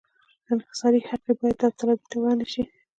انحصاري حق یې باید داوطلبۍ ته وړاندې شي.